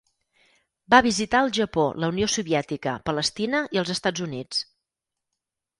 Va visitar el Japó, la Unió Soviètica, Palestina i els Estats Units.